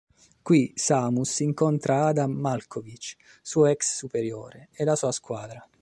Qui Samus incontra Adam Malkovich, suo ex superiore, e la sua squadra.